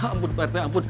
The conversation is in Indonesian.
ampun pak rt ampun